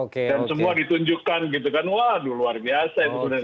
dan semua ditunjukkan gitu kan waduh luar biasa itu